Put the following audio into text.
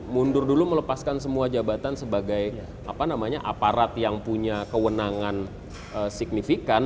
mundur dulu melepaskan semua jabatan sebagai aparat yang punya kewenangan signifikan